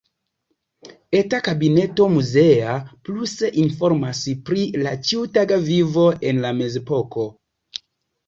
Eta kabineto muzea pluse informas pri la ĉiutaga vivo en la mezepoko.